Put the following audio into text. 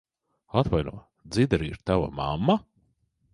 Atvaino, Dzidra ir tava mamma?